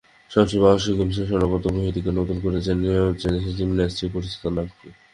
সবশেষে বাংলাদেশ গেমসে স্বর্ণপদক মেহেদীকে নতুন করে চেনালেও দেশের জিমন্যাস্টিকসে পরিচিত নাম তিনি।